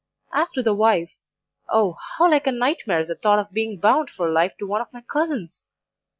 As to the wife oh how like a night mare is the thought of being bound for life to one of my cousins!